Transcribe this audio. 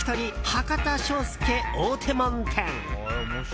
博多笑助大手門店。